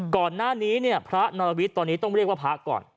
ก่อนหน้านี้เนี่ยพระนรวิทย์ตอนนี้ต้องเรียกว่าพระก่อน